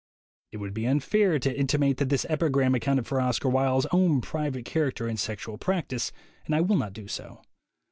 It would be unfair to intimate that this epigram accounted for Oscar Wilde's own private char acter and sexual practice, and I will not do so.